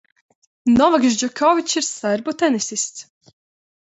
Novaks Džokovičs ir serbu tenisists.